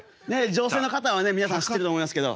女性の方はね皆さん知ってると思いますけど。